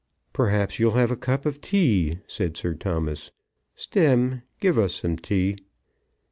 "Perhaps you'll have a cup of tea," said Sir Thomas. "Stemm, give us some tea."